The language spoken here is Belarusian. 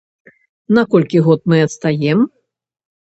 На колькі год мы адстаем?